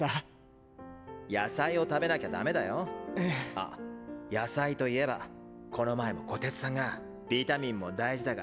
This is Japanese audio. あ野菜といえばこの前も虎徹さんがビタミンも大事だが。